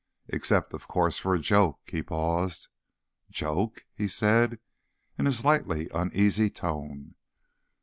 Except, of course, for a joke." He paused. "Joke?" he said, in a slightly uneasy tone.